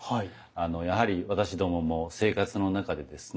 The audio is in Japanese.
やはり私どもも生活の中でですね